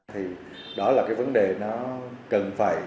thì đó là cái vấn đề nó cần phải